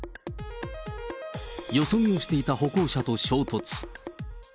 よそ見をしていた歩行者と衝突。